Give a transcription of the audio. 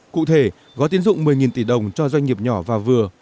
cụ thể gói tín dụng một mươi tỷ đồng cho doanh nghiệp nhỏ và vừa